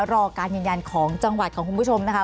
รอการยืนยันของจังหวัดของคุณผู้ชมนะคะ